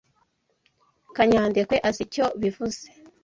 Kanyandekwe azi icyo bivuze.